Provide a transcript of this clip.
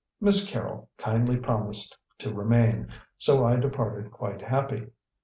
Miss Carrol kindly promised to remain, so I departed quite happy.